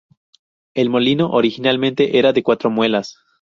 El molino originalmente era de cuatro muelas.